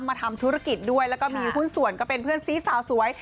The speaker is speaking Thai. มาทำธุรกิจด้วยแล้วก็มีหุ้นส่วนก็เป็นเพื่อนซีสาวสวย